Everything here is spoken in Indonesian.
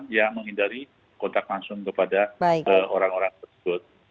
yang menghindari kontak langsung kepada orang orang tersebut